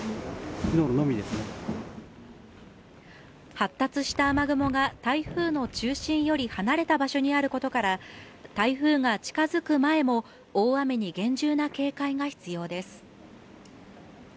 発達した雨雲が台風の中心より離れた場所にあることから、台風が近づく前も大雨に厳重な警戒が必要です。